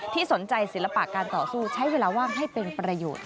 สนใจศิลปะการต่อสู้ใช้เวลาว่างให้เป็นประโยชน์